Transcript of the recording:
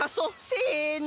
せの！